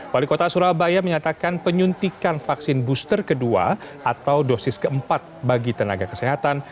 wali kota surabaya menyatakan penyuntikan vaksin booster kedua atau dosis keempat bagi tenaga kesehatan